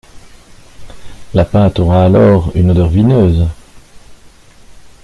La pâte aura alors une odeur vineuse.